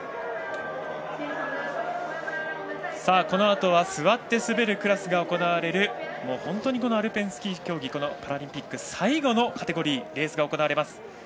このあとは座って滑るクラスが行われる本当にアルペンスキー競技パラリンピック最後のカテゴリーレースが行われます。